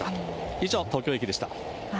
以上、東京駅でした。